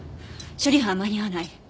処理班は間に合わない。